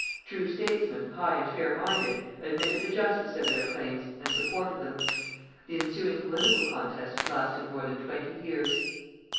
True statesmen, high and fair minded, admitted the justice of their claims and supported them. The ensuing political contest lasted more than twenty years.